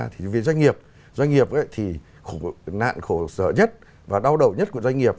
thì doanh nghiệp thì nạn khổ sở nhất và đau đầu nhất của doanh nghiệp